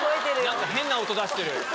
何か変な音出してる。